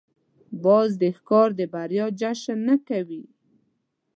باز د ښکار د بریا جشن نه کوي